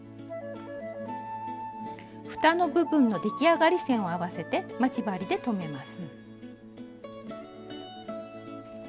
ふたの部分の出来上がり線を合わせて待ち針で留めます。